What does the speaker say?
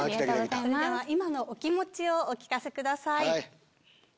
それでは今のお気持ちをお聞かせください。